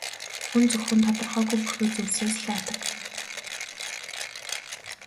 Хүн зөвхөн тодорхойгүй бүрхэг зүйлсээс л айдаг.